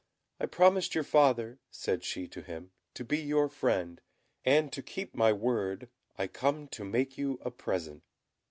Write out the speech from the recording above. "I promised your father," said she to him, "to be your friend; and, to keep my word, I come to make you a present."